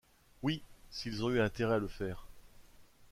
Oui ! s’ils ont eu intérêt à le faire